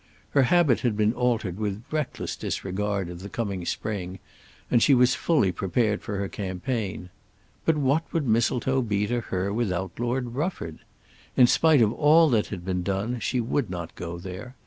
Her habit had been altered with reckless disregard of the coming spring and she was fully prepared for her campaign. But what would Mistletoe be to her without Lord Rufford? In spite of all that had been done she would not go there.